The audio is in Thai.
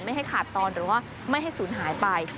ไม่ให้ขาดตอนหรือว่าไม่ให้สูญหายไป